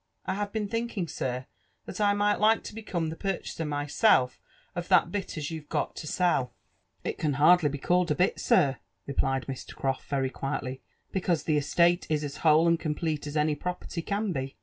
I have been (hinking, sir, that I might like to become the purchaser myself of that bit as you've got to sell." JONATHAN JEPPERSON WHITLAW. 121 •« It can hardly be called a bit. sir." replied Mr. Croft very qnielly, "because the estate is as whole and complete as any property can be.